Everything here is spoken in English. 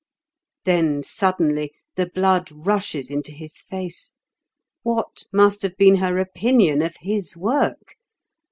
Then suddenly the blood rushes into his face. What must have been her opinion of his work?